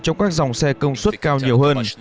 trong các dòng xe công suất cao nhiều hơn